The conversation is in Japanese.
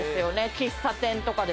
喫茶店とかで。